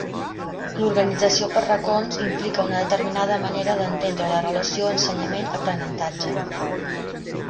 L'organització per racons implica una determinada manera d'entendre la relació ensenyament-aprenentatge.